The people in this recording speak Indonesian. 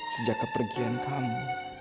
sejak kepergian kamu